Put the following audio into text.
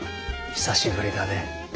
久しぶりだね。